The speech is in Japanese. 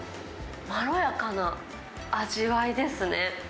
まろやかな味わいですね。